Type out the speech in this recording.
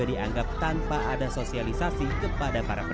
di sini siap